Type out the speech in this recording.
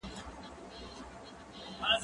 زه به د تکړښت لپاره تللي وي!.